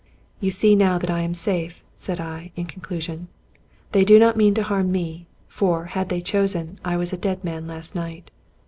"You see now that I am safe," said I, in conclusion. " They do not mean to harm me ; for, had they chosen, I was a dead man last night."